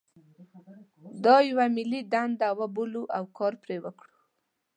دا یوه ملي دنده وبولو او کار پرې وکړو.